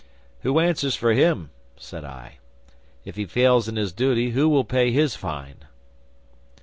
'"Who answers for him?" said I. "If he fails in his duty, who will pay his fine?"